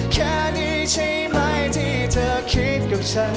แค่นี้ใช่ไหมที่เธอคิดกับฉัน